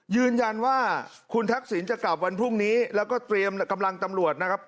ยืนยันว่าคุณทักษิณจะกลับวันพรุ่งนี้แล้วก็เตรียมกำลังตำรวจนะครับ